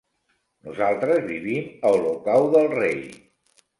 Nosaltres vivim a Olocau del Rei.